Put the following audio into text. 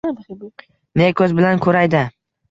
Ne ko‘z bilan ko‘rayda.